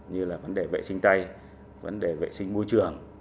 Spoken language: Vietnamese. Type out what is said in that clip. như là vấn đề vệ sinh tay vấn đề vệ sinh môi trường